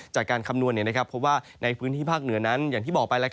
คำนวณเพราะว่าในพื้นที่ภาคเหนือนั้นอย่างที่บอกไป